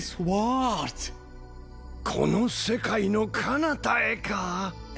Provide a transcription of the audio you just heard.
「この世界のかなたへか」